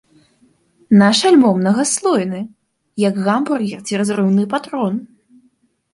Наш альбом мнагаслойны, як гамбургер ці разрыўны патрон!